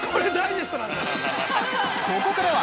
ここからは！